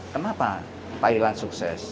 kenapa thailand sukses